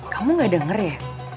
kamu gak denger ya